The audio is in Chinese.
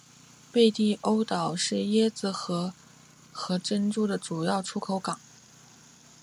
贝蒂欧岛是椰子核和珍珠的主要出口港。